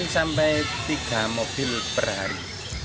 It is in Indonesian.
sampai tiga mobil per hari